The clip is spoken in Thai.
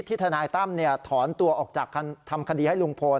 ทนายตั้มถอนตัวออกจากทำคดีให้ลุงพล